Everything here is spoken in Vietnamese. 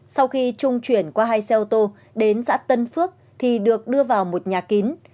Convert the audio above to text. sau khi trung chuyển qua hai xe ô tô đến xã tân phước thì được đưa vào một nhà kín